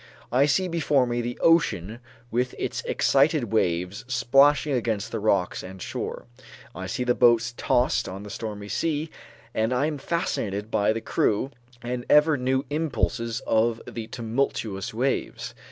I see before me the ocean with its excited waves splashing against the rocks and shore, I see the boats tossed on the stormy sea and I am fascinated by the new and ever new impulses of the tumultuous waves.